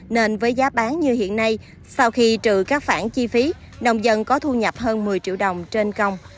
nên với giá bán như hiện nay sau khi trừ các phản chi phí nông dân có thu nhập hơn một mươi triệu đồng trên công